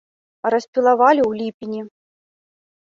А распілавалі ў ліпені.